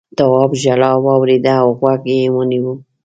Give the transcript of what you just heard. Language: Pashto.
تواب ژړا واورېده او غوږ یې ونيو.